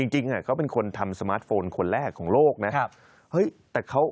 จริงเขาเป็นคนทำสมาร์ทโฟนคนแรกของโลกนะ